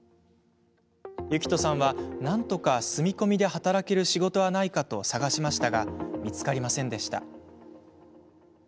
ユキトさんは、なんとか住み込みで働ける仕事はないかと探しましたが見つかりませんでした。